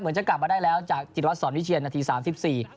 จะกลับมาได้แล้วจากจิตวัฒสอนวิเชียนนาทีสามสิบสี่